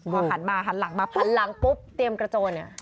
พอหันมาหันหลังมาหันหลังปุ๊บเตรียมกระโจนเนี่ย